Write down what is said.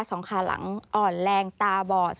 สองขาหลังอ่อนแรงตาบอด